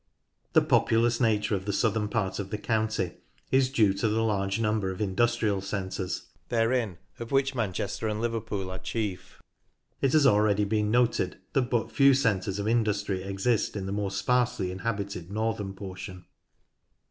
The populous nature of the southern part of the county is due to the large number of industrial centres therein, of which Manchester and Liverpool are chief. It has been already noted that but few centres of in dustry exist in the more sparsely inhabited northern portion.